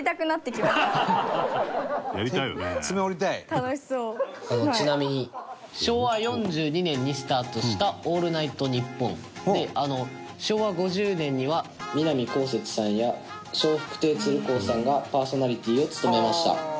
隆貴君：ちなみに昭和４２年にスタートした『オールナイトニッポン』で昭和５０年には南こうせつさんや笑福亭鶴光さんがパーソナリティーを務めました。